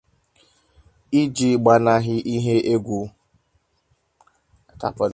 iji gbanahị ihe égwù